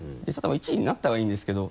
１位になったはいいんですけど。